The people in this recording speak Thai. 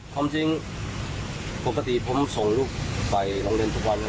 ความจริงปกติผมส่งลูกไปโรงเรียนทุกวัน